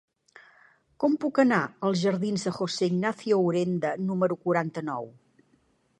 Com puc anar als jardins de José Ignacio Urenda número quaranta-nou?